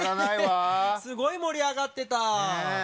すごい盛り上がってた！